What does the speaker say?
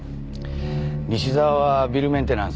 西沢はビルメンテナンス